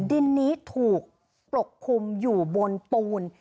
ดินนี้ถูกปกคลุมอยู่บนปูน